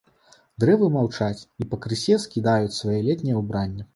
Дрэвы маўчаць і пакрысе скідаюць сваё летняе ўбранне.